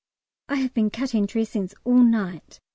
I have been cutting dressings all night.